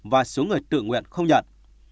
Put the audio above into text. và số người tự nguyện không nhận